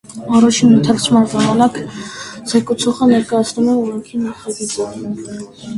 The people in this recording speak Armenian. Առաջին ընթերցման ժամանակ զեկուցողը ներկայացնում է օրենքի նախագիծը։